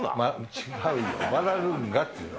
違うよ、マラルンガっていうの。